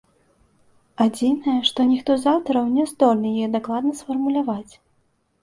Адзінае, што ніхто з аўтараў не здольны яе дакладна сфармуляваць.